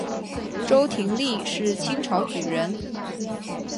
周廷励是清朝举人。